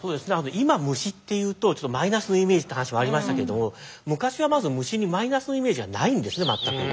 今虫っていうとちょっとマイナスのイメージって話もありましたけども昔はまず虫にマイナスのイメージはないんですね全く。